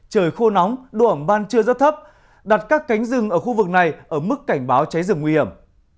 trời khô nóng độ ẩm ban trưa rất thấp đặt các cánh rừng ở khu vực này ở mức cảnh báo cháy rừng nguy hiểm